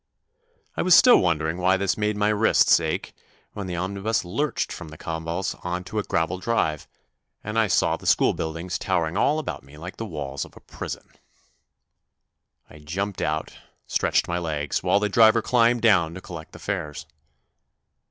I was still wondering why this made my wrists ache, when the omnibus lurched from the cobbles on to a gravel drive, and I saw the school buildings towering all about me like the walls of a prison. I jumped out and stretched my legs while the driver climbed down to collect the fares.